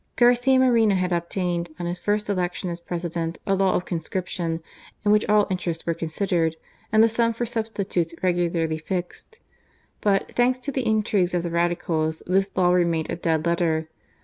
Garcia Moreno had obtained, on his first election as President, a law of conscription, in which all interests were considered, and the sum for sub stitutes regularly fixed. But, thanks to the intrigues of the Radicals, this law remained a dead letter.